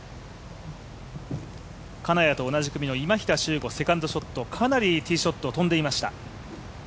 金谷と同じ組の今平周吾セカンドショット、かなりティーショット、飛んでいました。